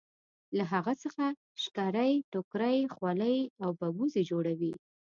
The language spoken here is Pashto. له هغه څخه شکرۍ ټوکرۍ خولۍ او ببوزي جوړوي.